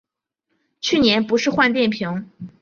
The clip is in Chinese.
去年不是换电瓶